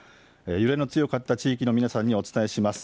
揺れの強かった地域の皆さんにお伝えします。